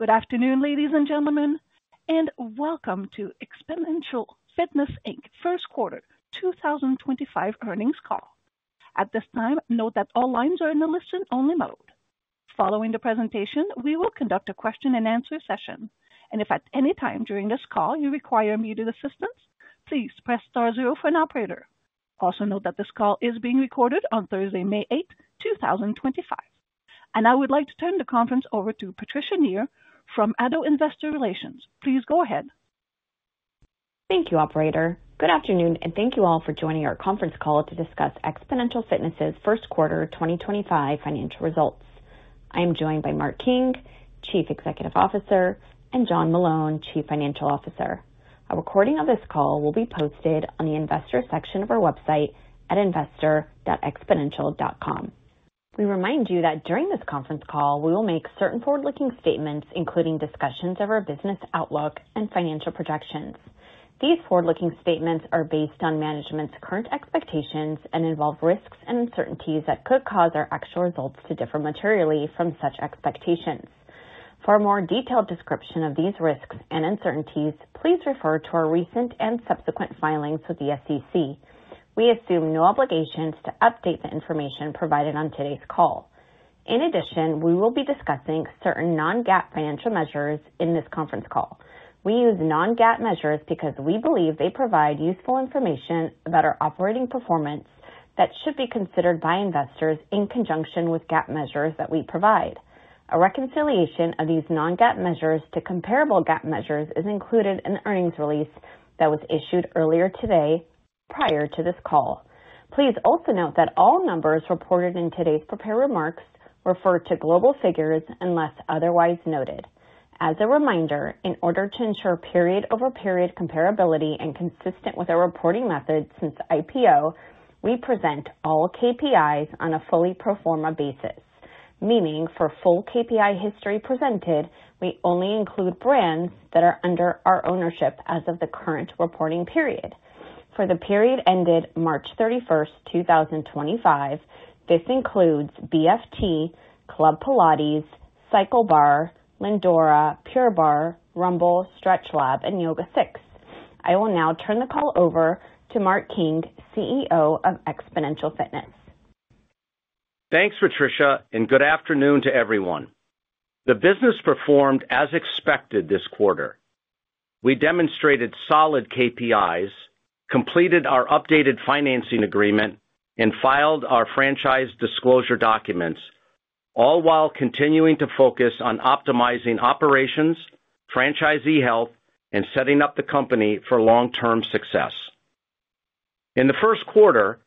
Good afternoon, ladies and gentlemen, and welcome to Xponential Fitness First Quarter 2025 earnings call. At this time, note that all lines are in the listen-only mode. Following the presentation, we will conduct a question-and-answer session, and if at any time during this call you require immediate assistance, please press star zero for an operator. Also note that this call is being recorded on Thursday, May 8, 2025, and I would like to turn the conference over to Patricia Nir from ADDO Investor Relation. Please go ahead. Thank you, Operator. Good afternoon, and thank you all for joining our conference call to discuss Xponential Fitness's First Quarter 2025 financial results. I am joined by Mark King, Chief Executive Officer, and John Meloun, Chief Financial Officer. A recording of this call will be posted on the investor section of our website at investor.xponential.com. We remind you that during this conference call, we will make certain forward-looking statements, including discussions of our business outlook and financial projections. These forward-looking statements are based on management's current expectations and involve risks and uncertainties that could cause our actual results to differ materially from such expectations. For a more detailed description of these risks and uncertainties, please refer to our recent and subsequent filings with the SEC. We assume no obligations to update the information provided on today's call. In addition, we will be discussing certain non-GAAP financial measures in this conference call. We use non-GAAP measures because we believe they provide useful information about our operating performance that should be considered by investors in conjunction with GAAP measures that we provide. A reconciliation of these non-GAAP measures to comparable GAAP measures is included in the earnings release that was issued earlier today prior to this call. Please also note that all numbers reported in today's prepared remarks refer to global figures unless otherwise noted. As a reminder, in order to ensure period-over-period comparability and consistent with our reporting method since IPO, we present all KPIs on a fully pro forma basis, meaning for full KPI history presented, we only include brands that are under our ownership as of the current reporting period. For the period ended March 31, 2025, this includes BFT, Club Pilates, CycleBar, Lindora, Pure Bar, Rumble, StretchLab, and YogaSix. I will now turn the call over to Mark King, CEO of Xponential Fitness. Thanks, Patricia, and good afternoon to everyone. The business performed as expected this quarter. We demonstrated solid KPIs, completed our updated financing agreement, and filed our franchise disclosure documents, all while continuing to focus on optimizing operations, franchisee health, and setting up the company for long-term success. In the first quarter,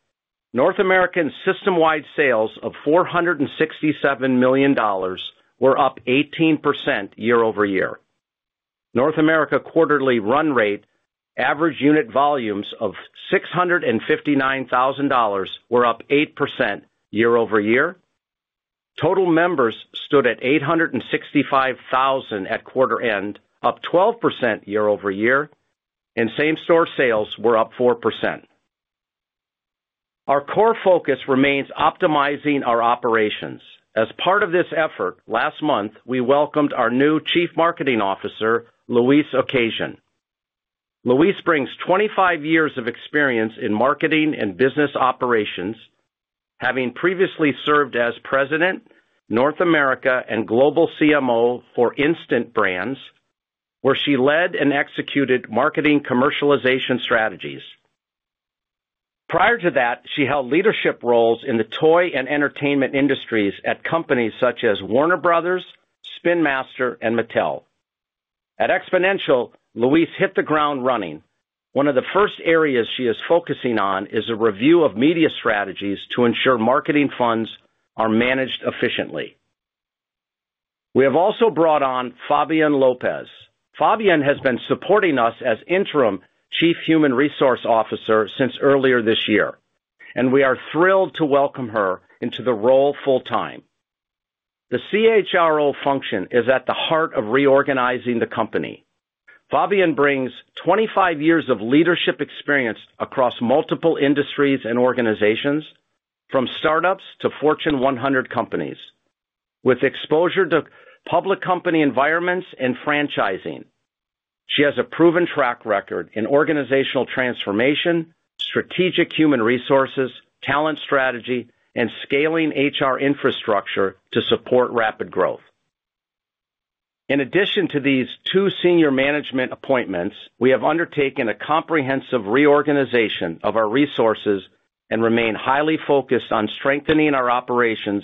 North America's system-wide sales of $467 million were up 18% year-over-year. North America quarterly run rate, average unit volumes of $659,000 were up 8% year-over-year. Total members stood at 865,000 at quarter end, up 12% year-over-year, and same-store sales were up 4%. Our core focus remains optimizing our operations. As part of this effort, last month, we welcomed our new Chief Marketing Officer, Luis Ocasion. Luis brings 25 years of experience in marketing and business operations, having previously served as President, North America, and Global CMO for Instant Brands, where she led and executed marketing commercialization strategies. Prior to that, she held leadership roles in the toy and entertainment industries at companies such as Warner Brothers, Spin Master, and Mattel. At Xponential, Luis hit the ground running. One of the first areas she is focusing on is a review of media strategies to ensure marketing funds are managed efficiently. We have also brought on Fabian Lopez. Fabian has been supporting us as Interim Chief Human Resources Officer since earlier this year, and we are thrilled to welcome her into the role full-time. The CHRO function is at the heart of reorganizing the company. Fabian brings 25 years of leadership experience across multiple industries and organizations, from startups to Fortune 100 companies, with exposure to public company environments and franchising. She has a proven track record in organizational transformation, strategic human resources, talent strategy, and scaling HR infrastructure to support rapid growth. In addition to these two senior management appointments, we have undertaken a comprehensive reorganization of our resources and remain highly focused on strengthening our operations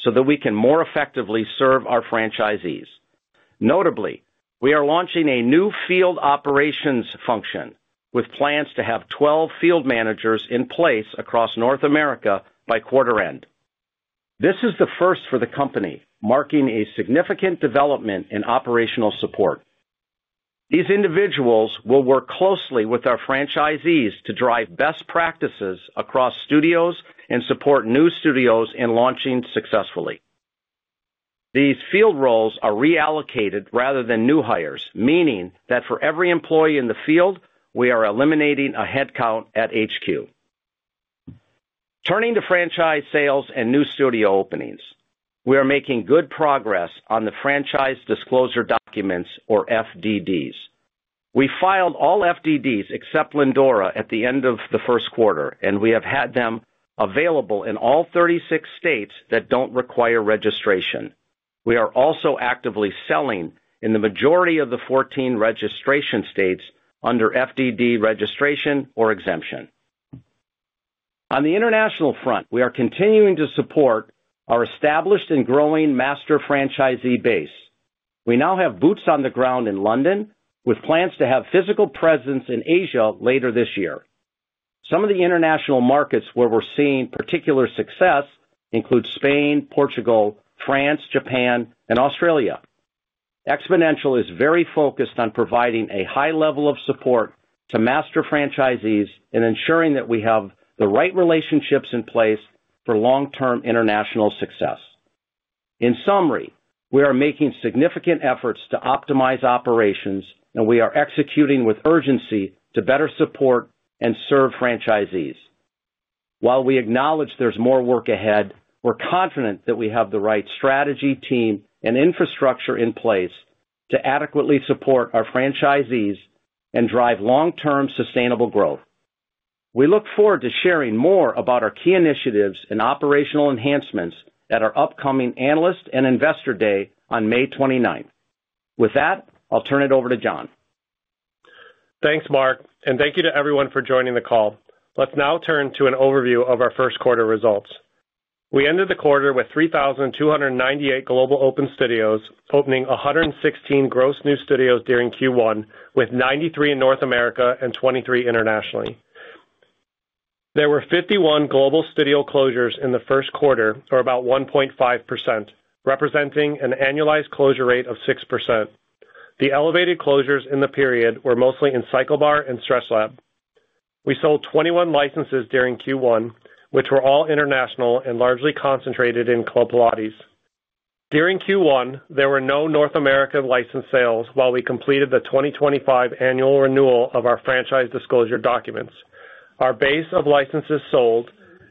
so that we can more effectively serve our franchisees. Notably, we are launching a new field operations function with plans to have 12 field managers in place across North America by quarter end. This is the first for the company, marking a significant development in operational support. These individuals will work closely with our franchisees to drive best practices across studios and support new studios in launching successfully. These field roles are reallocated rather than new hires, meaning that for every employee in the field, we are eliminating a headcount at HQ. Turning to franchise sales and new studio openings, we are making good progress on the franchise disclosure documents, or FDDs. We filed all FDDs except Lindora at the end of the first quarter, and we have had them available in all 36 states that do not require registration. We are also actively selling in the majority of the 14 registration states under FDD registration or exemption. On the international front, we are continuing to support our established and growing master franchisee base. We now have boots on the ground in London, with plans to have physical presence in Asia later this year. Some of the international markets where we are seeing particular success include Spain, Portugal, France, Japan, and Australia. Xponential is very focused on providing a high level of support to master franchisees and ensuring that we have the right relationships in place for long-term international success. In summary, we are making significant efforts to optimize operations, and we are executing with urgency to better support and serve franchisees. While we acknowledge there's more work ahead, we're confident that we have the right strategy, team, and infrastructure in place to adequately support our franchisees and drive long-term sustainable growth. We look forward to sharing more about our key initiatives and operational enhancements at our upcoming Analyst and Investor Day on May 29. With that, I'll turn it over to John. Thanks, Mark, and thank you to everyone for joining the call. Let's now turn to an overview of our first quarter results. We ended the quarter with 3,298 global open studios, opening 116 gross new studios during Q1, with 93 in North America and 23 internationally. There were 51 global studio closures in the first quarter, or about 1.5%, representing an annualized closure rate of 6%. The elevated closures in the period were mostly in CycleBar and StretchLab. We sold 21 licenses during Q1, which were all international and largely concentrated in Club Pilates. During Q1, there were no North America license sales while we completed the 2025 annual renewal of our franchise disclosure documents. Our base of licenses sold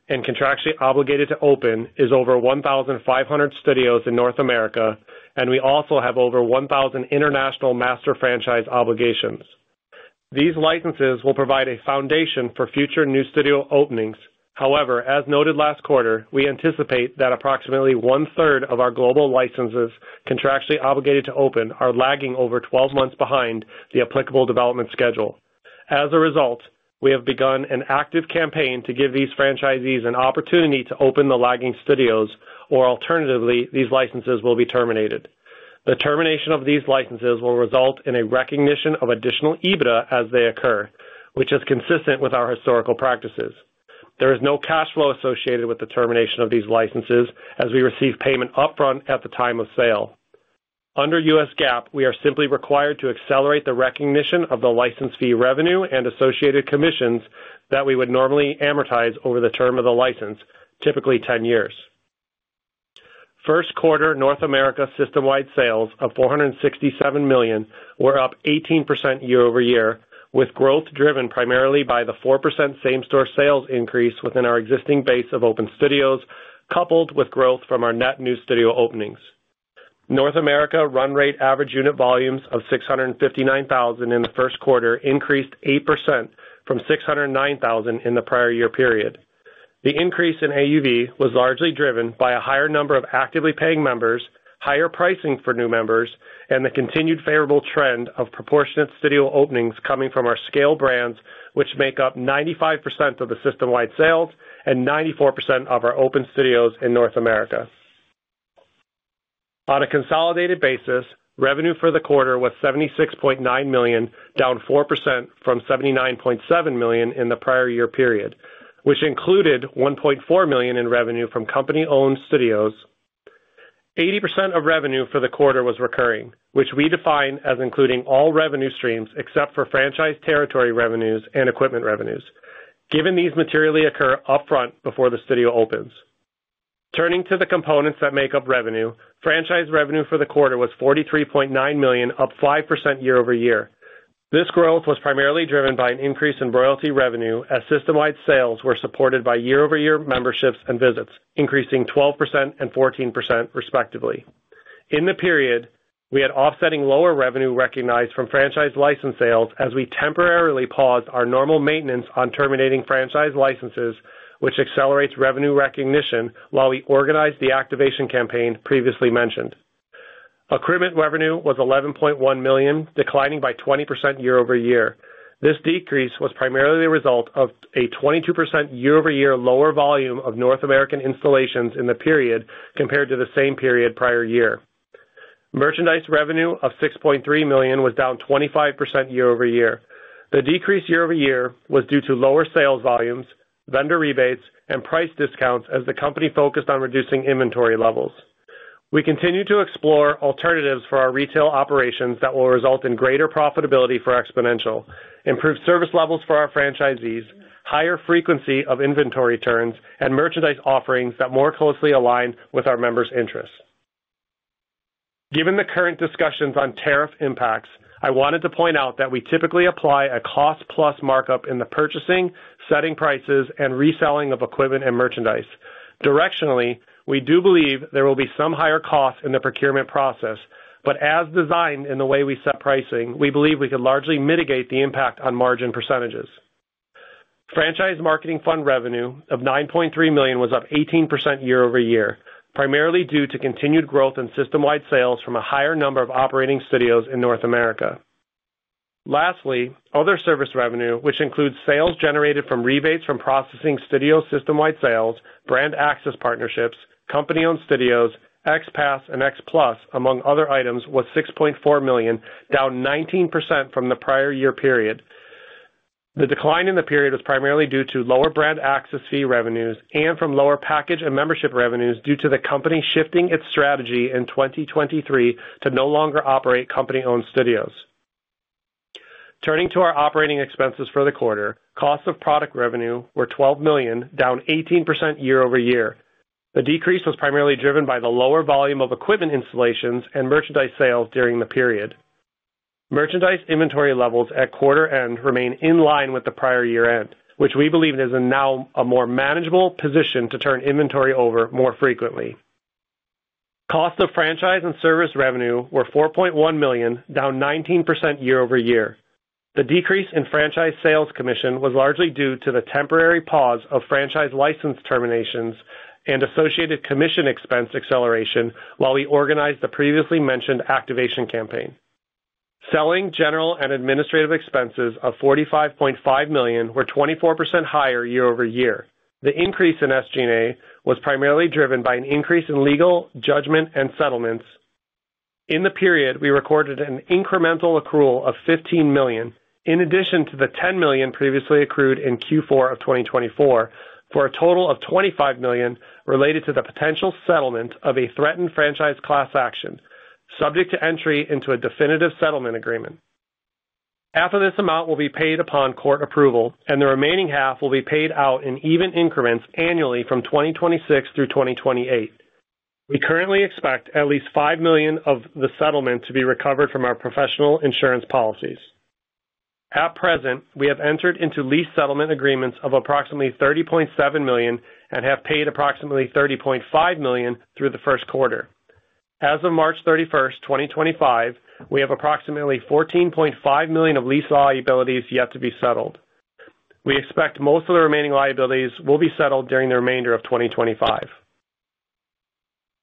and contractually obligated to open is over 1,500 studios in North America, and we also have over 1,000 international master franchise obligations. These licenses will provide a foundation for future new studio openings. However, as noted last quarter, we anticipate that approximately one-third of our global licenses contractually obligated to open are lagging over 12 months behind the applicable development schedule. As a result, we have begun an active campaign to give these franchisees an opportunity to open the lagging studios, or alternatively, these licenses will be terminated. The termination of these licenses will result in a recognition of additional EBITDA as they occur, which is consistent with our historical practices. There is no cash flow associated with the termination of these licenses as we receive payment upfront at the time of sale. Under U.S. GAAP, we are simply required to accelerate the recognition of the license fee revenue and associated commissions that we would normally amortize over the term of the license, typically 10 years. First quarter North America system-wide sales of $467 million were up 18% year-over-year, with growth driven primarily by the 4% same-store sales increase within our existing base of open studios, coupled with growth from our net new studio openings. North America run rate average unit volumes of $659,000 in the first quarter increased 8% from $609,000 in the prior year period. The increase in AUV was largely driven by a higher number of actively paying members, higher pricing for new members, and the continued favorable trend of proportionate studio openings coming from our scale brands, which make up 95% of the system-wide sales and 94% of our open studios in North America. On a consolidated basis, revenue for the quarter was $76.9 million, down 4% from $79.7 million in the prior year period, which included $1.4 million in revenue from company-owned studios. 80% of revenue for the quarter was recurring, which we define as including all revenue streams except for franchise territory revenues and equipment revenues, given these materially occur upfront before the studio opens. Turning to the components that make up revenue, franchise revenue for the quarter was $43.9 million, up 5% year-over-year. This growth was primarily driven by an increase in royalty revenue as system-wide sales were supported by year-over-year memberships and visits, increasing 12% and 14%, respectively. In the period, we had offsetting lower revenue recognized from franchise license sales as we temporarily paused our normal maintenance on terminating franchise licenses, which accelerates revenue recognition while we organized the activation campaign previously mentioned. Equipment revenue was $11.1 million, declining by 20% year-over-year. This decrease was primarily the result of a 22% year-over-year lower volume of North American installations in the period compared to the same period prior year. Merchandise revenue of $6.3 million was down 25% year-over-year. The decrease year-over-year was due to lower sales volumes, vendor rebates, and price discounts as the company focused on reducing inventory levels. We continue to explore alternatives for our retail operations that will result in greater profitability for Xponential, improved service levels for our franchisees, higher frequency of inventory turns, and merchandise offerings that more closely align with our members' interests. Given the current discussions on tariff impacts, I wanted to point out that we typically apply a cost-plus markup in the purchasing, setting prices, and reselling of equipment and merchandise. Directionally, we do believe there will be some higher costs in the procurement process, but as designed in the way we set pricing, we believe we could largely mitigate the impact on margin percentages. Franchise marketing fund revenue of $9.3 million was up 18% year-over-year, primarily due to continued growth in system-wide sales from a higher number of operating studios in North America. Lastly, other service revenue, which includes sales generated from rebates from processing studio system-wide sales, brand access partnerships, company-owned studios, XPass, and XPlus, among other items, was $6.4 million, down 19% from the prior year period. The decline in the period was primarily due to lower brand access fee revenues and from lower package and membership revenues due to the company shifting its strategy in 2023 to no longer operate company-owned studios. Turning to our operating expenses for the quarter, cost of product revenue was $12 million, down 18% year-over-year. The decrease was primarily driven by the lower volume of equipment installations and merchandise sales during the period. Merchandise inventory levels at quarter end remain in line with the prior year end, which we believe is now a more manageable position to turn inventory over more frequently. Cost of franchise and service revenue were $4.1 million, down 19% year-over-year. The decrease in franchise sales commission was largely due to the temporary pause of franchise license terminations and associated commission expense acceleration while we organized the previously mentioned activation campaign. Selling, general, and administrative expenses of $45.5 million were 24% higher year-over-year. The increase in SG&A was primarily driven by an increase in legal judgment and settlements. In the period, we recorded an incremental accrual of $15 million, in addition to the $10 million previously accrued in Q4 of 2024, for a total of $25 million related to the potential settlement of a threatened franchise class action, subject to entry into a definitive settlement agreement. Half of this amount will be paid upon court approval, and the remaining half will be paid out in even increments annually from 2026 through 2028. We currently expect at least $5 million of the settlement to be recovered from our professional insurance policies. At present, we have entered into lease settlement agreements of approximately $30.7 million and have paid approximately $30.5 million through the first quarter. As of March 31, 2025, we have approximately $14.5 million of lease liabilities yet to be settled. We expect most of the remaining liabilities will be settled during the remainder of 2025.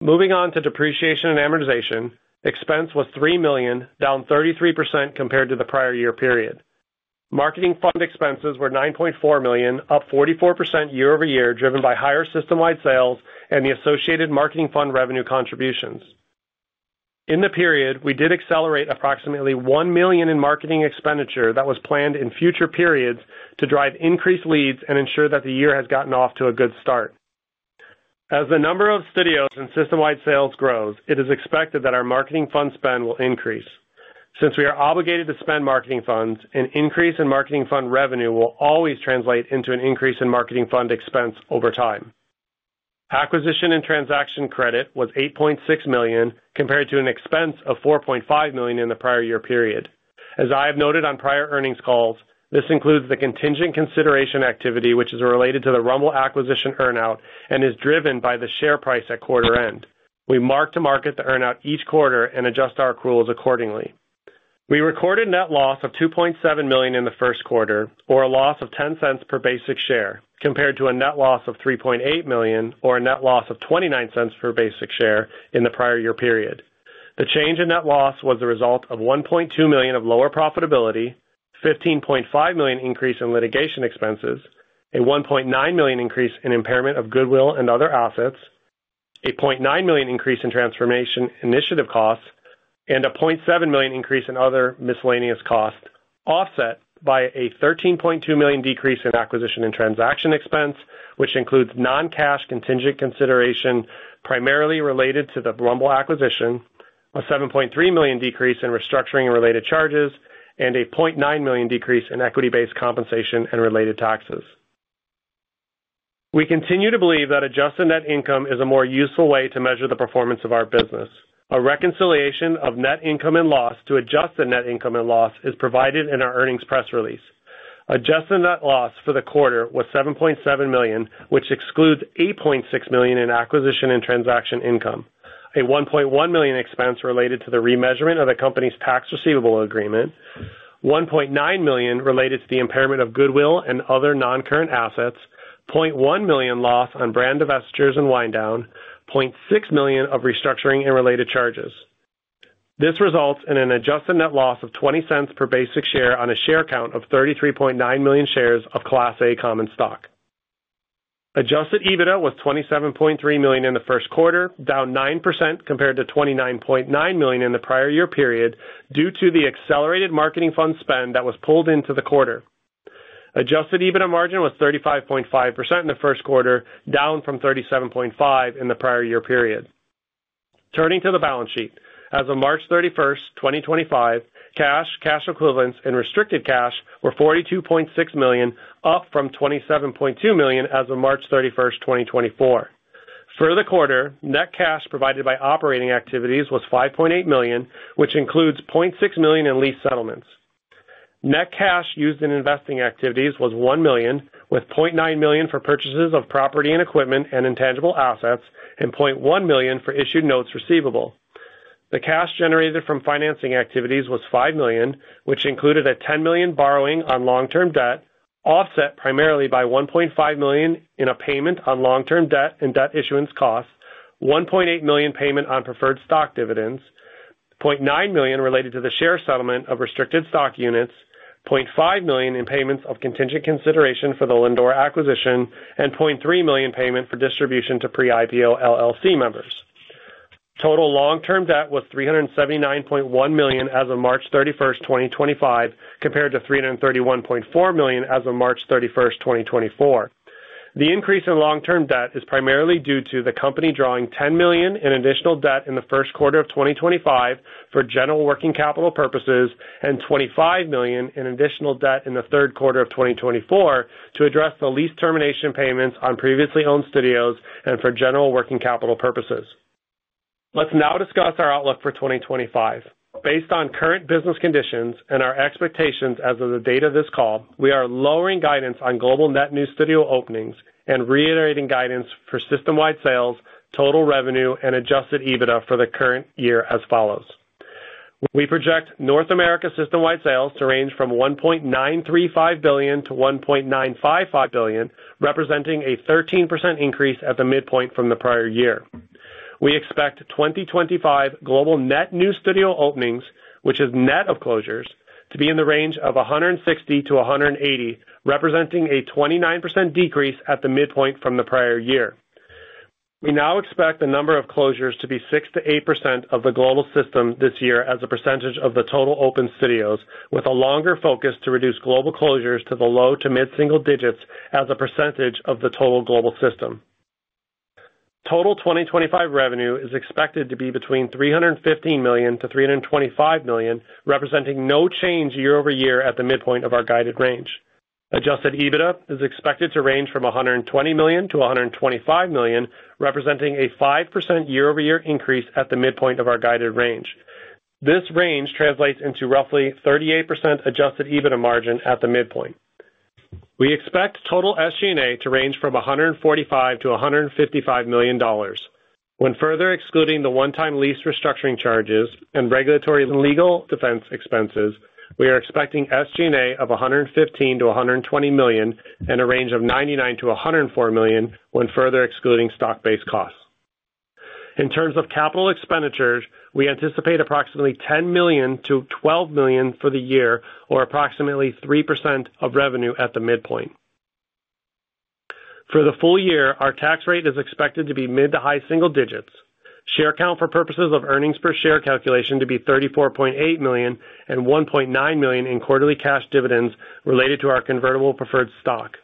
Moving on to depreciation and amortization, expense was $3 million, down 33% compared to the prior year period. Marketing fund expenses were $9.4 million, up 44% year-over-year, driven by higher system-wide sales and the associated marketing fund revenue contributions. In the period, we did accelerate approximately $1 million in marketing expenditure that was planned in future periods to drive increased leads and ensure that the year has gotten off to a good start. As the number of studios and system-wide sales grows, it is expected that our marketing fund spend will increase. Since we are obligated to spend marketing funds, an increase in marketing fund revenue will always translate into an increase in marketing fund expense over time. Acquisition and transaction credit was $8.6 million compared to an expense of $4.5 million in the prior year period. As I have noted on prior earnings calls, this includes the contingent consideration activity, which is related to the Rumble acquisition earn-out and is driven by the share price at quarter end. We mark to market the earn-out each quarter and adjust our accruals accordingly. We recorded net loss of $2.7 million in the first quarter, or a loss of $0.10 per basic share, compared to a net loss of $3.8 million or a net loss of $0.29 per basic share in the prior year period. The change in net loss was the result of $1.2 million of lower profitability, a $15.5 million increase in litigation expenses, a $1.9 million increase in impairment of goodwill and other assets, a $0.9 million increase in transformation initiative costs, and a $0.7 million increase in other miscellaneous costs, offset by a $13.2 million decrease in acquisition and transaction expense, which includes non-cash contingent consideration primarily related to the Rumble acquisition, a $7.3 million decrease in restructuring and related charges, and a $0.9 million decrease in equity-based compensation and related taxes. We continue to believe that adjusted net income is a more useful way to measure the performance of our business. A reconciliation of net income and loss to adjusted net income and loss is provided in our earnings press release. Adjusted net loss for the quarter was $7.7 million, which excludes $8.6 million in acquisition and transaction income, a $1.1 million expense related to the remeasurement of the company's tax receivable agreement, $1.9 million related to the impairment of goodwill and other non-current assets, $0.1 million loss on brand investors and wind-down, and $0.6 million of restructuring and related charges. This results in an adjusted net loss of $0.20 per basic share on a share count of 33.9 million shares of Class A common stock. Adjusted EBITDA was $27.3 million in the first quarter, down 9% compared to $29.9 million in the prior year period due to the accelerated marketing fund spend that was pulled into the quarter. Adjusted EBITDA margin was 35.5% in the first quarter, down from 37.5% in the prior year period. Turning to the balance sheet, as of March 31, 2025, cash, cash equivalents, and restricted cash were $42.6 million, up from $27.2 million as of March 31, 2024. For the quarter, net cash provided by operating activities was $5.8 million, which includes $0.6 million in lease settlements. Net cash used in investing activities was $1 million, with $0.9 million for purchases of property and equipment and intangible assets and $0.1 million for issued notes receivable. The cash generated from financing activities was $5 million, which included a $10 million borrowing on long-term debt, offset primarily by $1.5 million in a payment on long-term debt and debt issuance costs, $1.8 million payment on preferred stock dividends, $0.9 million related to the share settlement of restricted stock units, $0.5 million in payments of contingent consideration for the Lindora acquisition, and $0.3 million payment for distribution to PreIPO LLC members. Total long-term debt was $379.1 million as of March 31, 2025, compared to $331.4 million as of March 31, 2024. The increase in long-term debt is primarily due to the company drawing $10 million in additional debt in the first quarter of 2025 for general working capital purposes and $25 million in additional debt in the third quarter of 2024 to address the lease termination payments on previously owned studios and for general working capital purposes. Let's now discuss our outlook for 2025. Based on current business conditions and our expectations as of the date of this call, we are lowering guidance on global net new studio openings and reiterating guidance for system-wide sales, total revenue, and adjusted EBITDA for the current year as follows. We project North America system-wide sales to range from $1.935 billion-$1.955 billion, representing a 13% increase at the midpoint from the prior year. We expect 2025 global net new studio openings, which is net of closures, to be in the range of 160-180, representing a 29% decrease at the midpoint from the prior year. We now expect the number of closures to be 6%-8% of the global system this year as a percentage of the total open studios, with a longer focus to reduce global closures to the low to mid-single digits as a percentage of the total global system. Total 2025 revenue is expected to be between $315 million-$325 million, representing no change year-over-year at the midpoint of our guided range. Adjusted EBITDA is expected to range from $120 million-$125 million, representing a 5% year-over-year increase at the midpoint of our guided range. This range translates into roughly 38% adjusted EBITDA margin at the midpoint. We expect total SG&A to range from $145 million-$155 million. When further excluding the one-time lease restructuring charges and regulatory and legal defense expenses, we are expecting SG&A of $115 million-$120 million and a range of $99 million-$104 million when further excluding stock-based costs. In terms of capital expenditures, we anticipate approximately $10 million-$12 million for the year, or approximately 3% of revenue at the midpoint. For the full year, our tax rate is expected to be mid to high single digits. Share count for purposes of earnings per share calculation to be 34.8 million and $1.9 million in quarterly cash dividends related to our convertible preferred stock.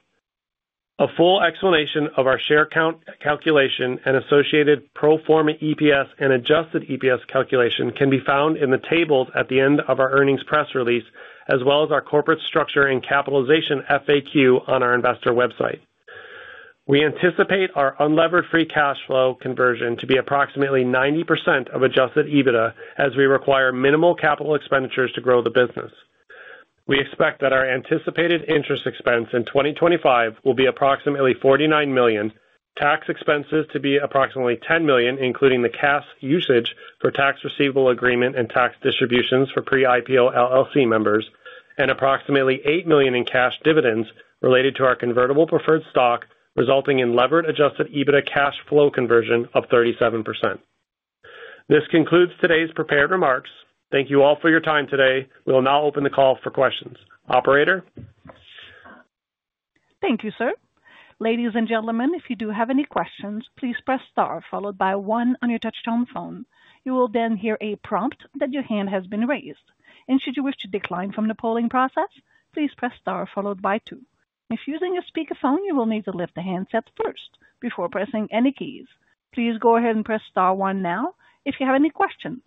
A full explanation of our share count calculation and associated pro forma EPS and adjusted EPS calculation can be found in the tables at the end of our earnings press release, as well as our corporate structure and capitalization FAQ on our investor website. We anticipate our unlevered free cash flow conversion to be approximately 90% of adjusted EBITDA, as we require minimal capital expenditures to grow the business. We expect that our anticipated interest expense in 2025 will be approximately $49 million, tax expenses to be approximately $10 million, including the cash usage for tax receivable agreement and tax distributions for PreIPO LLC members, and approximately $8 million in cash dividends related to our convertible preferred stock, resulting in levered adjusted EBITDA cash flow conversion of 37%. This concludes today's prepared remarks. Thank you all for your time today. We will now open the call for questions. Operator? Thank you, sir. Ladies and gentlemen, if you do have any questions, please press star followed by one on your touch-tone phone. You will then hear a prompt that your hand has been raised. Should you wish to decline from the polling process, please press star followed by two. If using a speakerphone, you will need to lift the handset first before pressing any keys. Please go ahead and press star one now if you have any questions.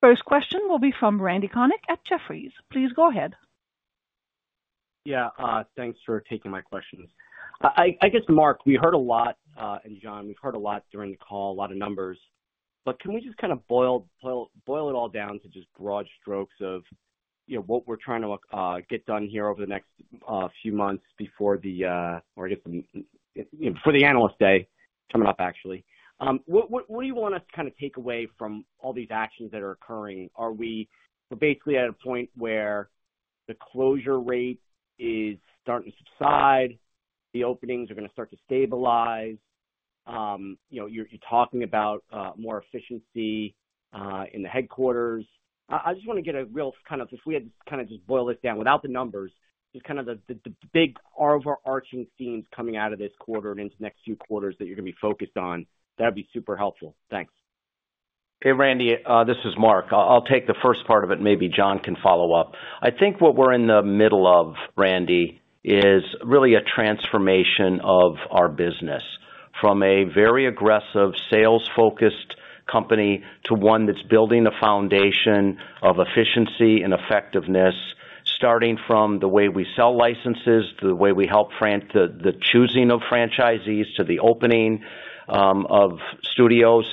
First question will be from Randy Connick at Jefferies. Please go ahead. Yeah, thanks for taking my questions. I guess, Mark, we heard a lot, and John, we've heard a lot during the call, a lot of numbers. Can we just kind of boil it all down to just broad strokes of what we're trying to get done here over the next few months before the, or I guess, before the analyst day coming up, actually? What do you want us to kind of take away from all these actions that are occurring? Are we basically at a point where the closure rate is starting to subside? The openings are going to start to stabilize? You're talking about more efficiency in the headquarters. I just want to get a real kind of, if we had to kind of just boil this down without the numbers, just kind of the big overarching themes coming out of this quarter and into the next few quarters that you're going to be focused on, that would be super helpful. Thanks. Hey, Randy, this is Mark. I'll take the first part of it. Maybe John can follow up. I think what we're in the middle of, Randy, is really a transformation of our business from a very aggressive sales-focused company to one that's building a foundation of efficiency and effectiveness, starting from the way we sell licenses, the way we help the choosing of franchisees to the opening of studios,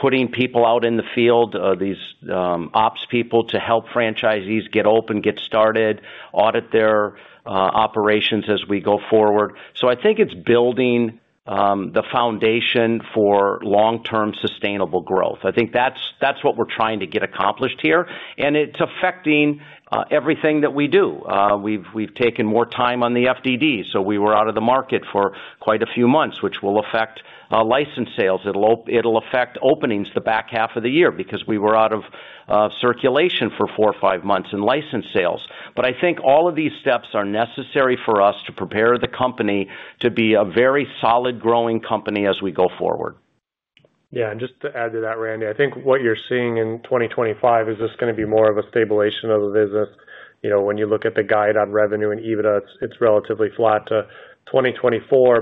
putting people out in the field, these ops people to help franchisees get open, get started, audit their operations as we go forward. I think it's building the foundation for long-term sustainable growth. I think that's what we're trying to get accomplished here. It's affecting everything that we do. We've taken more time on the FDD, so we were out of the market for quite a few months, which will affect license sales. It'll affect openings the back half of the year because we were out of circulation for four or five months in license sales. I think all of these steps are necessary for us to prepare the company to be a very solid-growing company as we go forward. Yeah. Just to add to that, Randy, I think what you're seeing in 2025, is this going to be more of a stabilization of the business? When you look at the guide on revenue and EBITDA, it's relatively flat to 2024.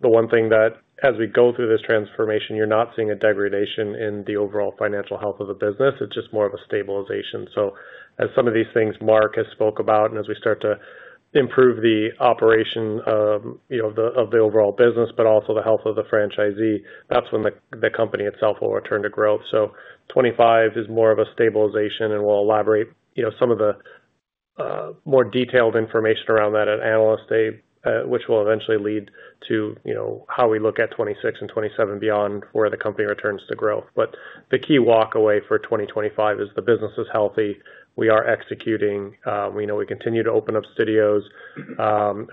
The one thing that, as we go through this transformation, you're not seeing a degradation in the overall financial health of the business. It's just more of a stabilization. As some of these things Mark has spoke about, and as we start to improve the operation of the overall business, but also the health of the franchisee, that's when the company itself will return to growth. 2025 is more of a stabilization, and we'll elaborate some of the more detailed information around that at analyst day, which will eventually lead to how we look at 2026 and 2027 beyond where the company returns to growth. The key walkway for 2025 is the business is healthy. We are executing. We continue to open up studios, and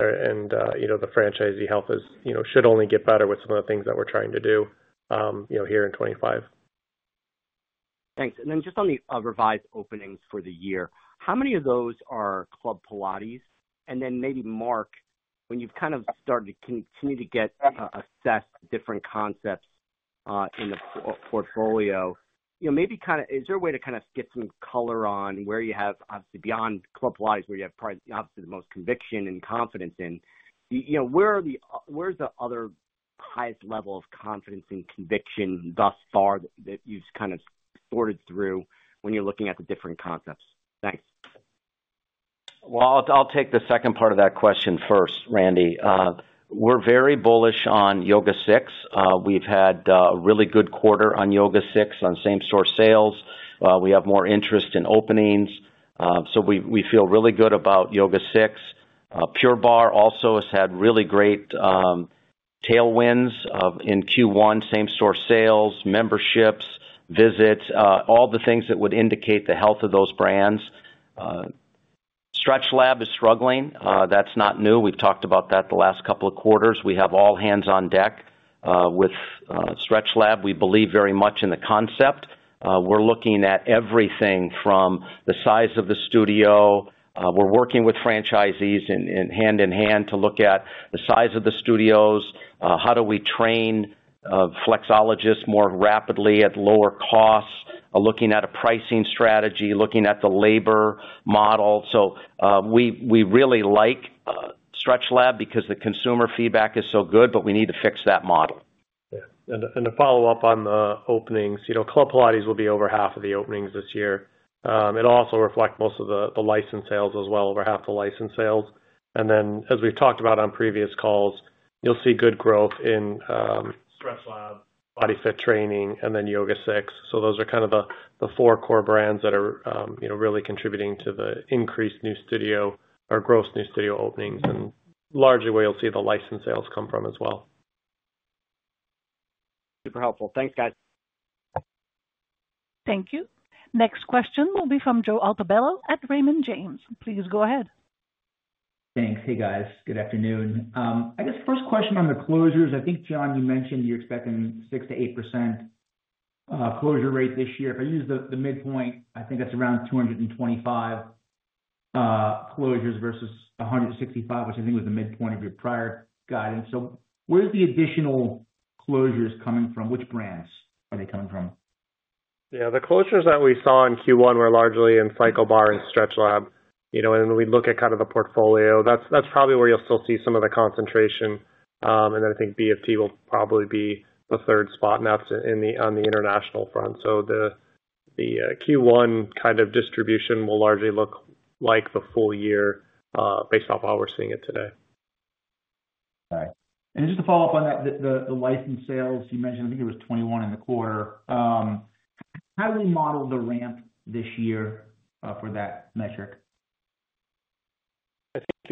the franchisee health should only get better with some of the things that we're trying to do here in 2025. Thanks. And then just on the revised openings for the year, how many of those are Club Pilates? Maybe, Mark, when you've kind of started to continue to get assessed different concepts in the portfolio, maybe kind of, is there a way to kind of get some color on where you have, obviously, beyond Club Pilates, where you have probably obviously the most conviction and confidence in? Where's the other highest level of confidence and conviction thus far that you've kind of sorted through when you're looking at the different concepts? Thanks. I'll take the second part of that question first, Randy. We're very bullish on YogaSix. We've had a really good quarter on YogaSix on same-store sales. We have more interest in openings. We feel really good about YogaSix. Pure Barre also has had really great tailwinds in Q1, same-store sales, memberships, visits, all the things that would indicate the health of those brands. StretchLab is struggling. That's not new. We've talked about that the last couple of quarters. We have all hands on deck with StretchLab. We believe very much in the concept. We're looking at everything from the size of the studio. We're working with franchisees hand in hand to look at the size of the studios. How do we train flexologists more rapidly at lower costs? Looking at a pricing strategy, looking at the labor model. We really like StretchLab because the consumer feedback is so good, but we need to fix that model. Yeah. To follow up on the openings, Club Pilates will be over half of the openings this year. It will also reflect most of the license sales as well, over half the license sales. As we have talked about on previous calls, you will see good growth in StretchLab, Body Fit Training, and then YogaSix. Those are kind of the four core brands that are really contributing to the increased new studio, or gross new studio openings, and largely where you will see the license sales come from as well. Super helpful. Thanks, guys. Thank you. Next question will be from Joe Altobello at Raymond James. Please go ahead. Thanks. Hey, guys. Good afternoon. I guess first question on the closures. I think, John, you mentioned you're expecting 6%-8% closure rate this year. If I use the midpoint, I think that's around 225 closures versus 165, which I think was the midpoint of your prior guidance. So where's the additional closures coming from? Which brands are they coming from? Yeah. The closures that we saw in Q1 were largely in CycleBar and StretchLab. And then we look at kind of the portfolio. That's probably where you'll still see some of the concentration. I think BFT will probably be the third spot on the international front. The Q1 kind of distribution will largely look like the full year based off how we're seeing it today. Okay. Just to follow up on that, the license sales, you mentioned, I think it was 21 in the quarter. How do we model the ramp this year for that metric?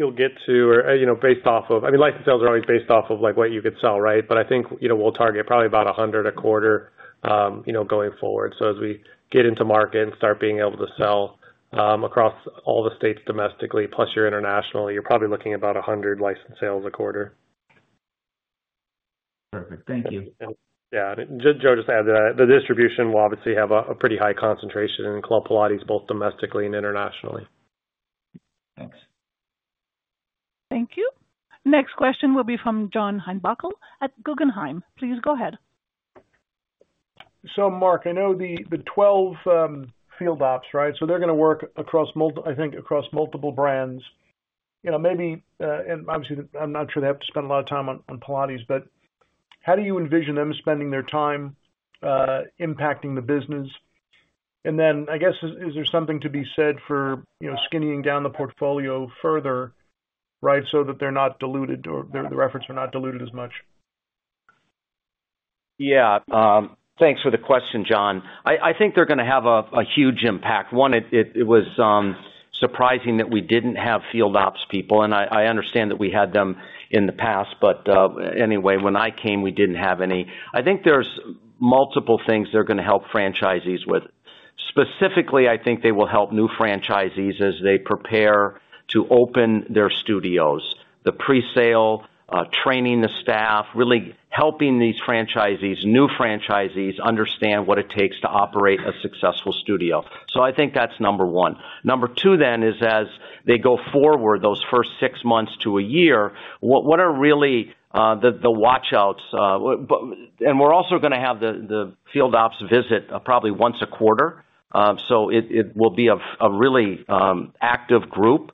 I think you'll get to, or based off of, I mean, license sales are always based off of what you can sell, right? I think we'll target probably about 100 a quarter going forward. As we get into market and start being able to sell across all the states domestically, plus your international, you're probably looking at about 100 license sales a quarter. Perfect. Thank you. Yeah. Joe just added that the distribution will obviously have a pretty high concentration in Club Pilates, both domestically and internationally. Thanks. Thank you. Next question will be from John Heinbockel at Guggenheim. Please go ahead. Mark, I know the 12 field ops, right? They're going to work, I think, across multiple brands. Obviously, I'm not sure they have to spend a lot of time on Pilates, but how do you envision them spending their time impacting the business? I guess, is there something to be said for skinnying down the portfolio further, right, so that they're not diluted or the reference are not diluted as much? Yeah. Thanks for the question, John. I think they're going to have a huge impact. One, it was surprising that we didn't have field ops people. I understand that we had them in the past, but anyway, when I came, we didn't have any. I think there's multiple things they're going to help franchisees with. Specifically, I think they will help new franchisees as they prepare to open their studios, the presale, training the staff, really helping these new franchisees understand what it takes to operate a successful studio. I think that's number one. Number two then is, as they go forward, those first six months to a year, what are really the watchouts? We're also going to have the field ops visit probably once a quarter. It will be a really active group.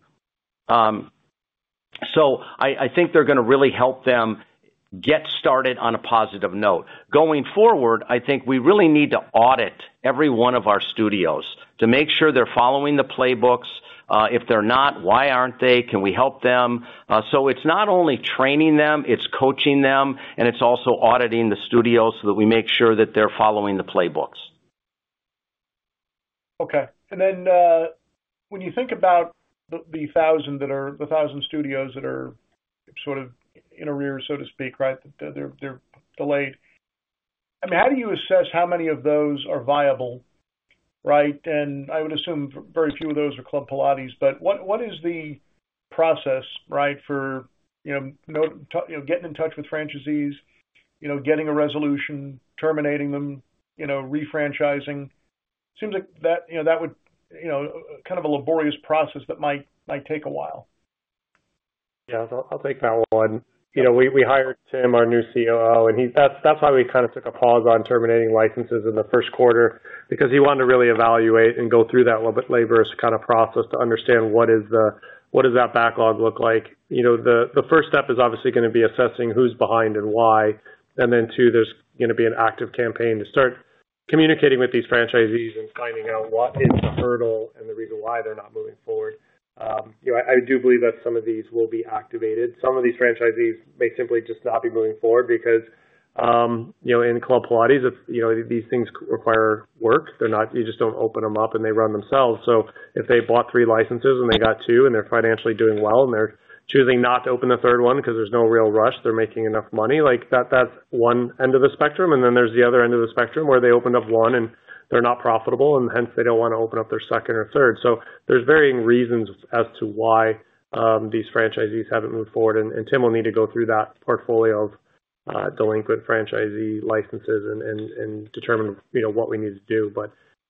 I think they're going to really help them get started on a positive note. Going forward, I think we really need to audit every one of our studios to make sure they're following the playbooks. If they're not, why aren't they? Can we help them? It is not only training them, it is coaching them, and it is also auditing the studios so that we make sure that they are following the playbooks. Okay. And then when you think about the 1,000 studios that are sort of in arrear, so to speak, right, that they are delayed, I mean, how do you assess how many of those are viable, right? I would assume very few of those are Club Pilates. What is the process, right, for getting in touch with franchisees, getting a resolution, terminating them, refranchising? Seems like that would be kind of a laborious process that might take a while. Yeah. I will take that one. We hired Tim, our new COO, and that is why we kind of took a pause on terminating licenses in the first quarter because he wanted to really evaluate and go through that laborist kind of process to understand what does that backlog look like. The first step is obviously going to be assessing who is behind and why. And then two, there is going to be an active campaign to start communicating with these franchisees and finding out what is the hurdle and the reason why they are not moving forward. I do believe that some of these will be activated. Some of these franchisees may simply just not be moving forward because in Club Pilates, these things require work. You just do not open them up and they run themselves. If they bought three licenses and they got two and they're financially doing well and they're choosing not to open the third one because there's no real rush, they're making enough money, that's one end of the spectrum. Then there's the other end of the spectrum where they opened up one and they're not profitable, and hence they don't want to open up their second or third. There are varying reasons as to why these franchisees haven't moved forward. Tim will need to go through that portfolio of delinquent franchisee licenses and determine what we need to do.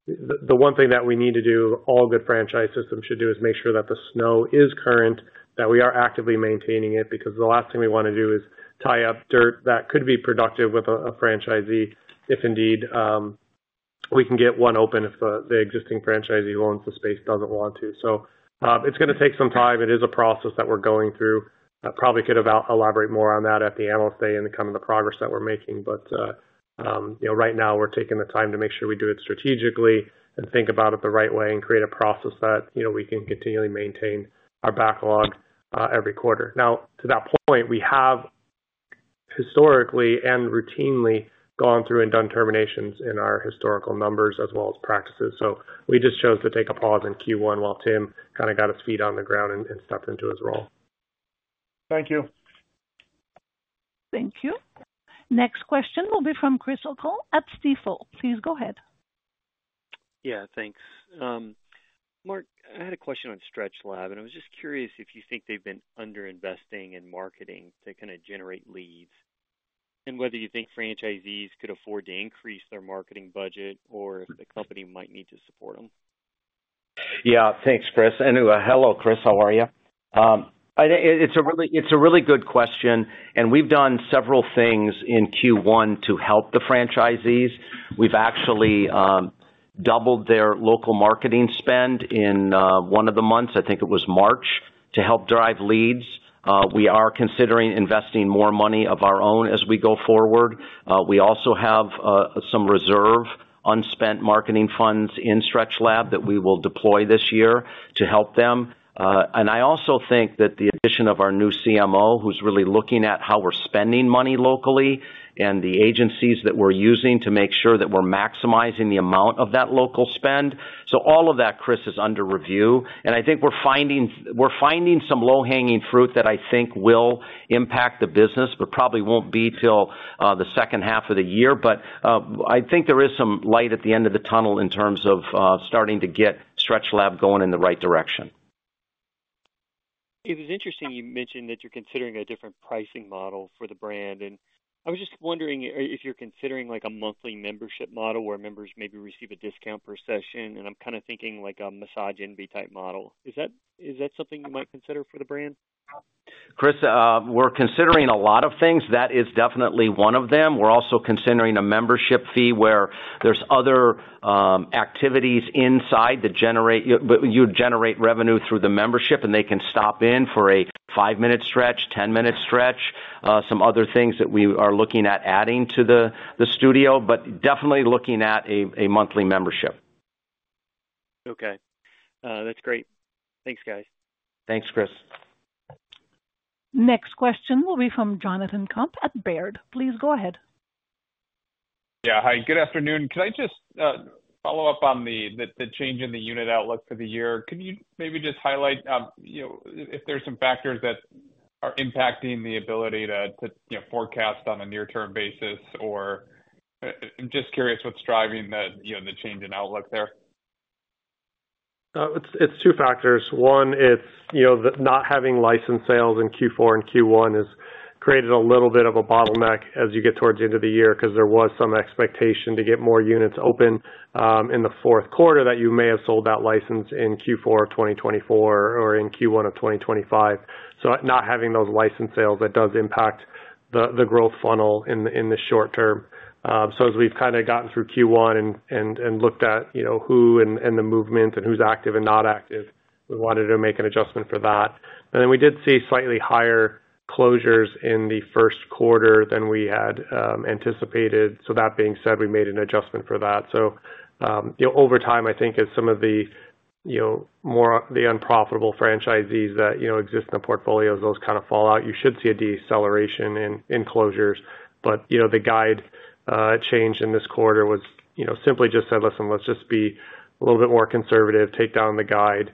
The one thing that we need to do, all good franchise systems should do, is make sure that the snow is current, that we are actively maintaining it, because the last thing we want to do is tie up dirt that could be productive with a franchisee if indeed we can get one open if the existing franchisee who owns the space does not want to. It is going to take some time. It is a process that we are going through. I probably could elaborate more on that at the analyst day and kind of the progress that we are making. Right now, we are taking the time to make sure we do it strategically and think about it the right way and create a process that we can continually maintain our backlog every quarter. Now, to that point, we have historically and routinely gone through and done terminations in our historical numbers as well as practices. We just chose to take a pause in Q1 while Tim kind of got his feet on the ground and stepped into his role. Thank you. Thank you. Next question will be from Christel Koll at Stifel. Please go ahead. Yeah. Thanks. Mark, I had a question on StretchLab, and I was just curious if you think they've been underinvesting in marketing to kind of generate leads and whether you think franchisees could afford to increase their marketing budget or if the company might need to support them. Yeah. Thanks, Christel. And hello, Christel. How are you? It's a really good question. We have done several things in Q1 to help the franchisees. We've actually doubled their local marketing spend in one of the months, I think it was March, to help drive leads. We are considering investing more money of our own as we go forward. We also have some reserve unspent marketing funds in StretchLab that we will deploy this year to help them. I also think that the addition of our new CMO, who's really looking at how we're spending money locally and the agencies that we're using to make sure that we're maximizing the amount of that local spend. All of that, Chris, is under review. I think we're finding some low-hanging fruit that I think will impact the business, but probably won't be till the second half of the year. I think there is some light at the end of the tunnel in terms of starting to get StretchLab going in the right direction. It was interesting you mentioned that you're considering a different pricing model for the brand. I was just wondering if you're considering a monthly membership model where members maybe receive a discount per session. I'm kind of thinking like a Massage Envy type model. Is that something you might consider for the brand? Chris, we're considering a lot of things. That is definitely one of them. We're also considering a membership fee where there's other activities inside that generate revenue through the membership, and they can stop in for a five-minute stretch, 10-minute stretch, some other things that we are looking at adding to the studio, but definitely looking at a monthly membership. Okay. That's great. Thanks, guys. Thanks, Chris. Next question will be from Jonathan Kopp at Baird. Please go ahead. Yeah. Hi. Good afternoon. Could I just follow up on the change in the unit outlook for the year? Can you maybe just highlight if there's some factors that are impacting the ability to forecast on a near-term basis? I'm just curious what's driving the change in outlook there. It's two factors. One, it's not having license sales in Q4 and Q1 has created a little bit of a bottleneck as you get towards the end of the year because there was some expectation to get more units open in the fourth quarter that you may have sold that license in Q4 of 2024 or in Q1 of 2025. Not having those license sales, that does impact the growth funnel in the short term. As we've kind of gotten through Q1 and looked at who and the movement and who's active and not active, we wanted to make an adjustment for that. We did see slightly higher closures in the first quarter than we had anticipated. That being said, we made an adjustment for that. Over time, I think as some of the more unprofitable franchisees that exist in the portfolios, those kind of fall out, you should see a deceleration in closures. The guide change in this quarter was simply just said, "Listen, let's just be a little bit more conservative, take down the guide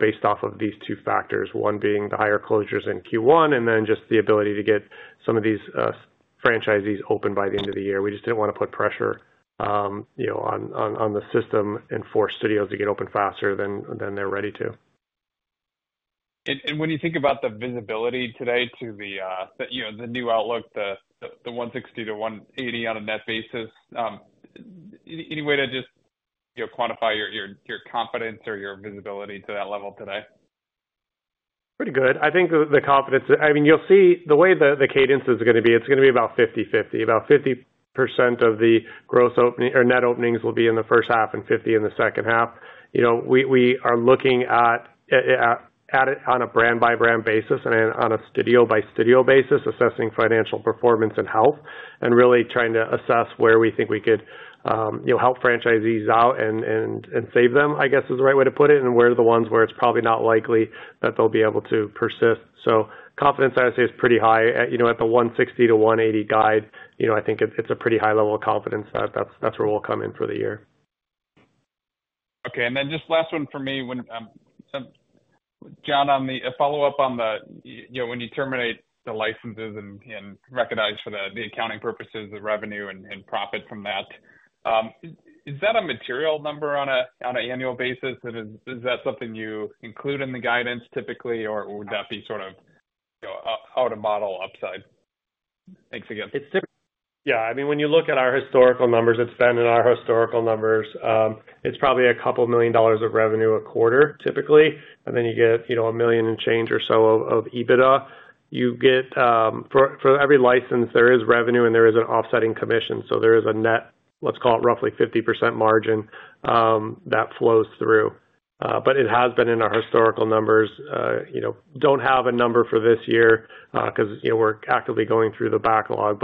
based off of these two factors," one being the higher closures in Q1 and then just the ability to get some of these franchisees open by the end of the year. We just did not want to put pressure on the system and force studios to get open faster than they are ready to. When you think about the visibility today to the new outlook, the 160-180 on a net basis, any way to just quantify your confidence or your visibility to that level today? Pretty good. I think the confidence, I mean, you will see the way the cadence is going to be, it is going to be about 50/50. About 50% of the gross net openings will be in the first half and 50% in the second half. We are looking at it on a brand-by-brand basis and on a studio-by-studio basis, assessing financial performance and health, and really trying to assess where we think we could help franchisees out and save them, I guess, is the right way to put it, and where are the ones where it's probably not likely that they'll be able to persist. Confidence, I would say, is pretty high. At the 160-180 guide, I think it's a pretty high level of confidence that that's where we'll come in for the year. Okay. And then just last one for me, John, on the follow-up on the when you terminate the licenses and recognize for the accounting purposes the revenue and profit from that, is that a material number on an annual basis? Is that something you include in the guidance typically, or would that be sort of how to model upside? Thanks again. Yeah. I mean, when you look at our historical numbers, it's been in our historical numbers, it's probably a couple of million dollars of revenue a quarter, typically. You get a million and change or so of EBITDA. For every license, there is revenue and there is an offsetting commission. There is a net, let's call it roughly 50% margin that flows through. It has been in our historical numbers. I do not have a number for this year because we're actively going through the backlog.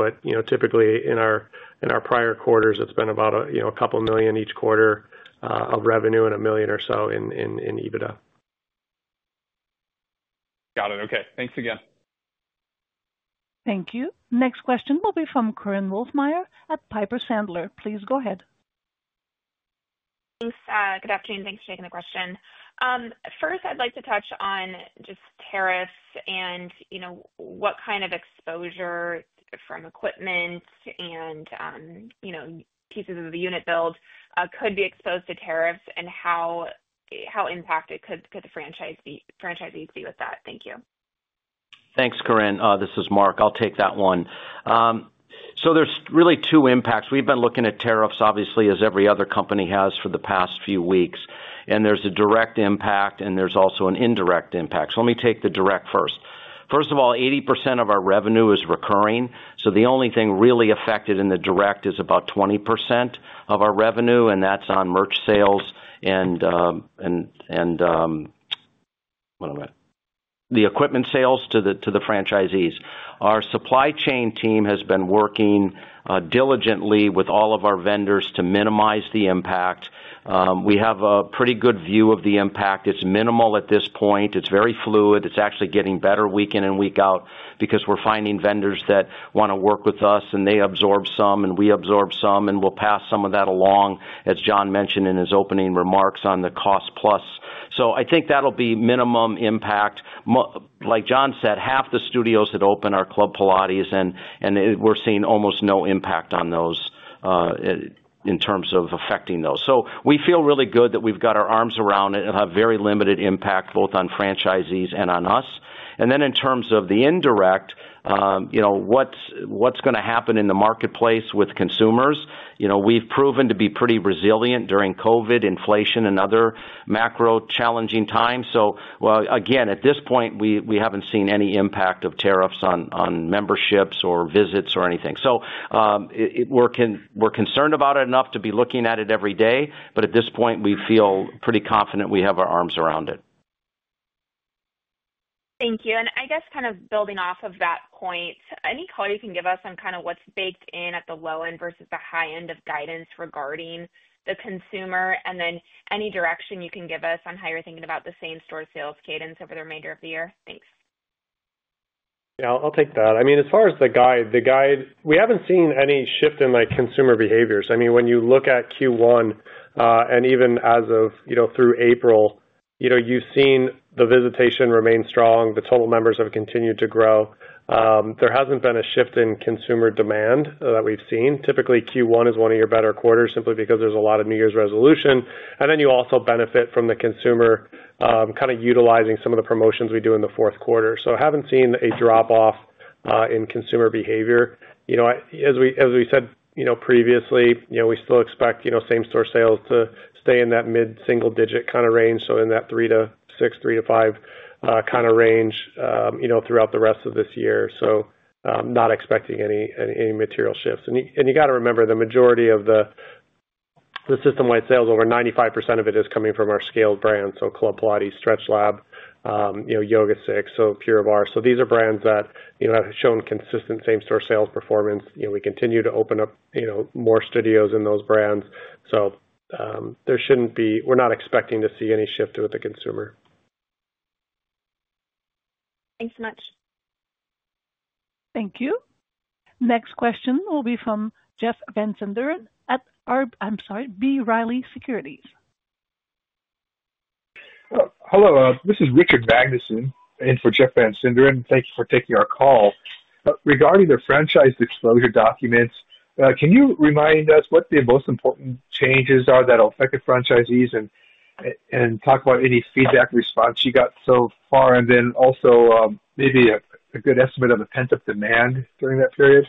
Typically, in our prior quarters, it's been about a couple of million each quarter of revenue and a million or so in EBITDA. Got it. Okay. Thanks again. Thank you. Next question will be from Korinne Wolfmeyer at Piper Sandler. Please go ahead. Thanks. Good afternoon. Thanks for taking the question. First, I'd like to touch on just tariffs and what kind of exposure from equipment and pieces of the unit build could be exposed to tariffs and how impacted could the franchisees be with that. Thank you. Thanks, Korinne. This is Mark. I'll take that one. There are really two impacts. We've been looking at tariffs, obviously, as every other company has for the past few weeks. There is a direct impact, and there is also an indirect impact. Let me take the direct first. First of all, 80% of our revenue is recurring. The only thing really affected in the direct is about 20% of our revenue, and that's on merch sales and the equipment sales to the franchisees. Our supply chain team has been working diligently with all of our vendors to minimize the impact. We have a pretty good view of the impact. It's minimal at this point. It's very fluid. It's actually getting better week in and week out because we're finding vendors that want to work with us, and they absorb some, and we absorb some, and we'll pass some of that along, as John mentioned in his opening remarks on the cost plus. I think that'll be minimum impact. Like John said, half the studios that open are Club Pilates, and we're seeing almost no impact on those in terms of affecting those. We feel really good that we've got our arms around it. It'll have very limited impact both on franchisees and on us. In terms of the indirect, what's going to happen in the marketplace with consumers? We've proven to be pretty resilient during COVID, inflation, and other macro-challenging times. At this point, we haven't seen any impact of tariffs on memberships or visits or anything. We're concerned about it enough to be looking at it every day. At this point, we feel pretty confident we have our arms around it. Thank you. I guess kind of building off of that point, any quote you can give us on kind of what's baked in at the low end versus the high end of guidance regarding the consumer, and then any direction you can give us on how you're thinking about the same store sales cadence over the remainder of the year? Thanks. Yeah. I'll take that. I mean, as far as the guide, we haven't seen any shift in consumer behaviors. I mean, when you look at Q1 and even as of through April, you've seen the visitation remain strong. The total numbers have continued to grow. There hasn't been a shift in consumer demand that we've seen. Typically, Q1 is one of your better quarters simply because there's a lot of New Year's resolution. You also benefit from the consumer kind of utilizing some of the promotions we do in the fourth quarter. I haven't seen a drop-off in consumer behavior. As we said previously, we still expect same-store sales to stay in that mid-single-digit kind of range, so in that 3%-6%, 3%-5% kind of range throughout the rest of this year. Not expecting any material shifts. You got to remember, the majority of the system-wide sales, over 95% of it, is coming from our scaled brands. Club Pilates, StretchLab, YogaSix, Pure Barre. These are brands that have shown consistent same-store sales performance. We continue to open up more studios in those brands. There should not be—we are not expecting to see any shift with the consumer. Thanks so much. Thank you. Next question will be from Jeff Van Sinderen at—I'm sorry—B. Riley Securities. Hello. This is Richard Magnuson in for Jeff Van Sinderen. Thank you for taking our call. Regarding the Franchise Disclosure Documents, can you remind us what the most important changes are that will affect the franchisees and talk about any feedback response you got so far, and then also maybe a good estimate of the pent-up demand during that period?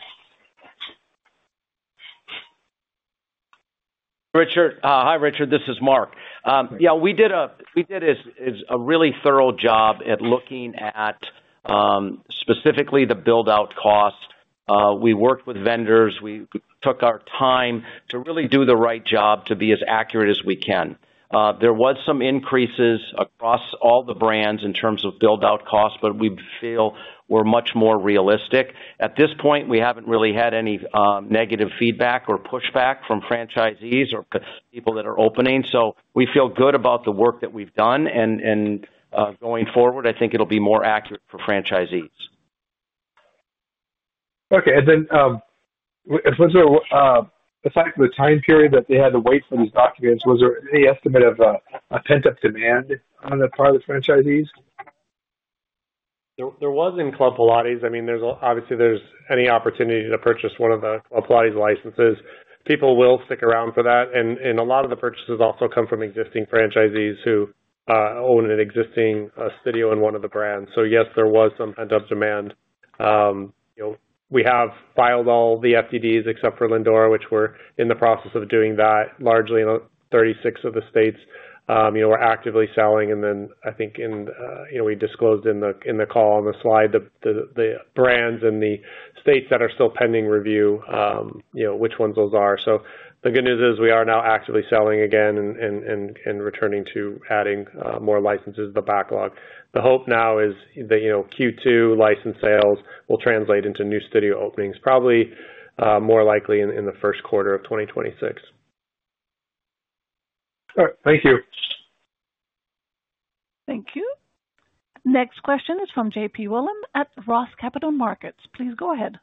Hi, Richard. This is Mark. Yeah. We did a really thorough job at looking at specifically the build-out cost. We worked with vendors. We took our time to really do the right job to be as accurate as we can. There were some increases across all the brands in terms of build-out cost, but we feel we're much more realistic. At this point, we haven't really had any negative feedback or pushback from franchisees or people that are opening. We feel good about the work that we've done. Going forward, I think it'll be more accurate for franchisees. Okay. Aside from the time period that they had to wait for these documents, was there any estimate of a pent-up demand on the part of the franchisees? There was in Club Pilates. I mean, obviously, there's any opportunity to purchase one of the Club Pilates licenses. People will stick around for that. A lot of the purchases also come from existing franchisees who own an existing studio in one of the brands. Yes, there was some pent-up demand. We have filed all the FDDs except for Lindora, which we are in the process of doing, that largely in 36 of the states. We are actively selling. I think we disclosed in the call on the slide the brands and the states that are still pending review, which ones those are. The good news is we are now actively selling again and returning to adding more licenses to the backlog. The hope now is that Q2 license sales will translate into new studio openings, probably more likely in the first quarter of 2026. All right. Thank you. Thank you. Next question is from JP Willam at Ross Capital Markets. Please go ahead.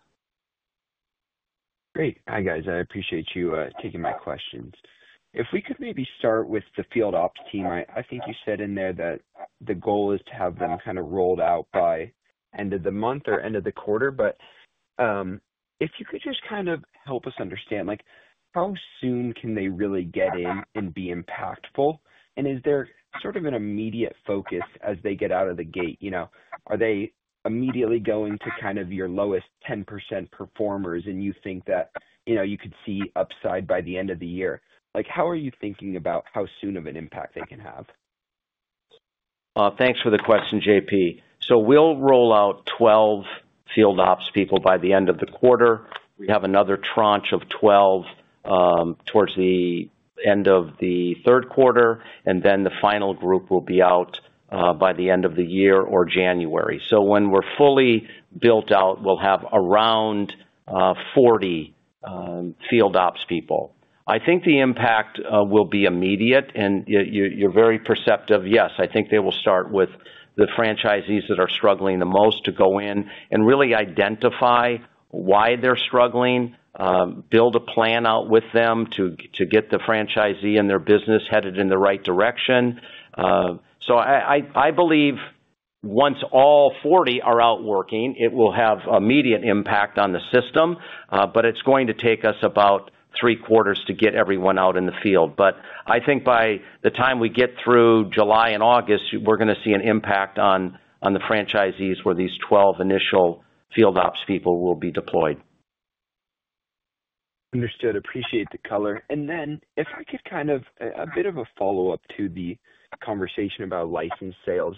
Great. Hi, guys. I appreciate you taking my questions. If we could maybe start with the field ops team, I think you said in there that the goal is to have them kind of rolled out by end of the month or end of the quarter. If you could just kind of help us understand, how soon can they really get in and be impactful? Is there sort of an immediate focus as they get out of the gate? Are they immediately going to kind of your lowest 10% performers, and you think that you could see upside by the end of the year? How are you thinking about how soon of an impact they can have? Thanks for the question, JP. We will roll out 12 field ops people by the end of the quarter. We have another tranche of 12 towards the end of the third quarter. The final group will be out by the end of the year or January. When we're fully built out, we'll have around 40 field ops people. I think the impact will be immediate. You're very perceptive. Yes, I think they will start with the franchisees that are struggling the most to go in and really identify why they're struggling, build a plan out with them to get the franchisee and their business headed in the right direction. I believe once all 40 are out working, it will have immediate impact on the system. It's going to take us about three quarters to get everyone out in the field. I think by the time we get through July and August, we're going to see an impact on the franchisees where these 12 initial field ops people will be deployed. Understood. Appreciate the color. If I could kind of a bit of a follow-up to the conversation about license sales.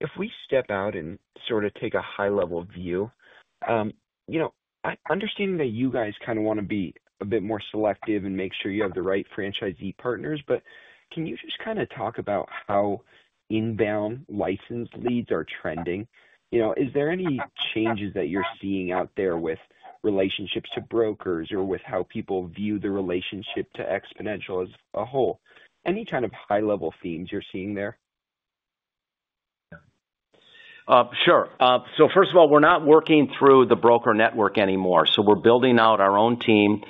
If we step out and sort of take a high-level view, understanding that you guys kind of want to be a bit more selective and make sure you have the right franchisee partners. Can you just kind of talk about how inbound license leads are trending? Is there any changes that you're seeing out there with relationships to brokers or with how people view the relationship to Xponential as a whole? Any kind of high-level themes you're seeing there? Sure. First of all, we're not working through the broker network anymore. We're building out our own team.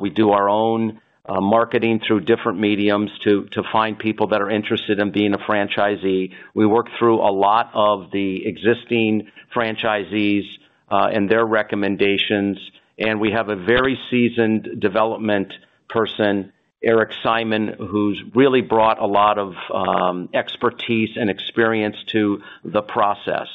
We do our own marketing through different mediums to find people that are interested in being a franchisee. We work through a lot of the existing franchisees and their recommendations. We have a very seasoned development person, Eric Simon, who's really brought a lot of expertise and experience to the process.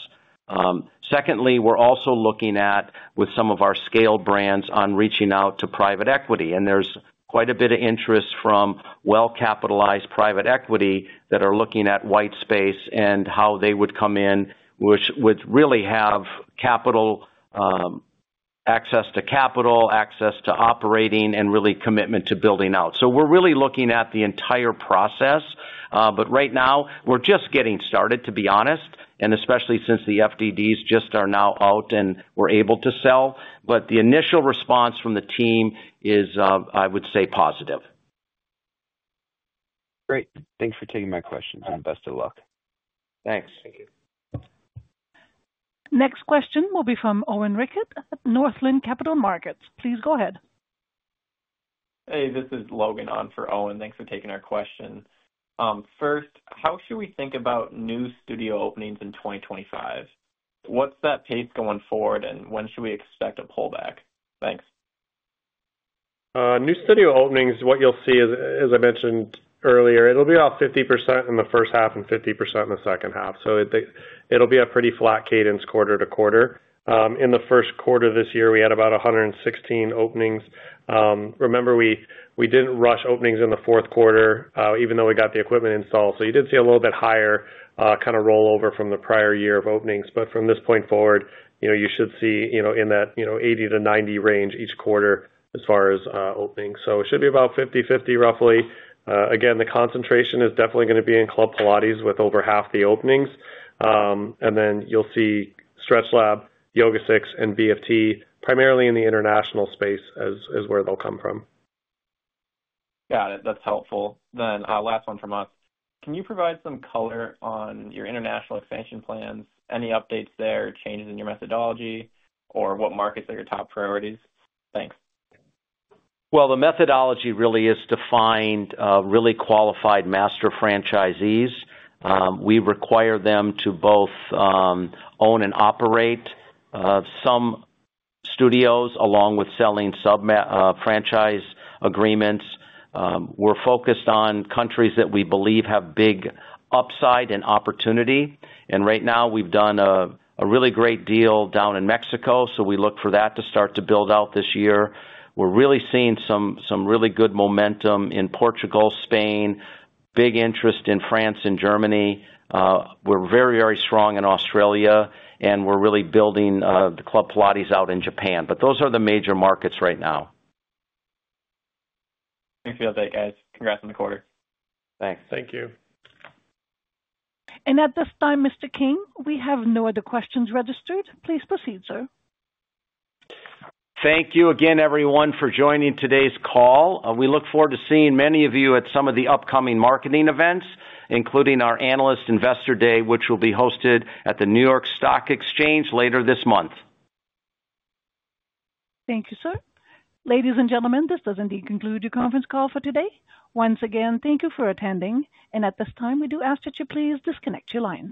Secondly, we're also looking at, with some of our scaled brands, on reaching out to private equity. There's quite a bit of interest from well-capitalized private equity that are looking at white space and how they would come in, which would really have access to capital, access to operating, and really commitment to building out. We're really looking at the entire process. Right now, we're just getting started, to be honest, and especially since the FDDs just are now out and we're able to sell. The initial response from the team is, I would say, positive. Great. Thanks for taking my questions and best of luck. Thanks. Next question will be from Owen Ricketts at Northland Capital Markets. Please go ahead. Hey, this is Logan on for Owen. Thanks for taking our question. First, how should we think about new studio openings in 2025? What's that pace going forward, and when should we expect a pullback? Thanks. New studio openings, what you'll see, as I mentioned earlier, it'll be about 50% in the first half and 50% in the second half. It will be a pretty flat cadence quarter to quarter. In the first quarter of this year, we had about 116 openings. Remember, we didn't rush openings in the fourth quarter, even though we got the equipment installed. You did see a little bit higher kind of rollover from the prior year of openings. From this point forward, you should see in that 80-90 range each quarter as far as openings. It should be about 50/50, roughly. Again, the concentration is definitely going to be in Club Pilates with over half the openings. You will see StretchLab, YogaSix, and BFT primarily in the international space is where they will come from. Got it. That is helpful. Last one from us. Can you provide some color on your international expansion plans? Any updates there, changes in your methodology, or what markets are your top priorities? Thanks. The methodology really is to find really qualified master franchisees. We require them to both own and operate some studios along with selling sub-franchise agreements. We are focused on countries that we believe have big upside and opportunity. Right now, we have done a really great deal down in Mexico. We look for that to start to build out this year. We are really seeing some really good momentum in Portugal, Spain, big interest in France and Germany. We're very, very strong in Australia. We're really building the Club Pilates out in Japan. Those are the major markets right now. Thank you, JP. Congrats on the quarter. Thanks. Thank you. At this time, Mr. King, we have no other questions registered. Please proceed, sir. Thank you again, everyone, for joining today's call. We look forward to seeing many of you at some of the upcoming marketing events, including our Analyst Investor Day, which will be hosted at the New York Stock Exchange later this month. Thank you, sir. Ladies and gentlemen, this does indeed conclude your conference call for today. Once again, thank you for attending. At this time, we do ask that you please disconnect your lines.